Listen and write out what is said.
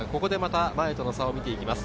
前との差を見ていきます。